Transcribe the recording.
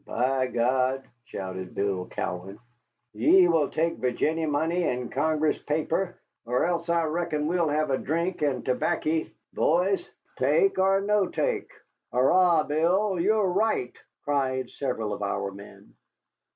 "By God!" shouted Bill Cowan, "ye will take Virginny paper, and Congress paper, or else I reckon we'll have a drink and tobaccy, boys, take or no take." "Hooray, Bill, ye're right," cried several of our men.